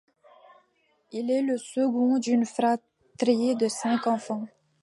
Il est le second d'une fratrie de cinq enfants.